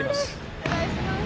お願いします。